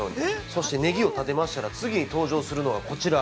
そして、ネギを立てましたら次に登場するのは、こちら。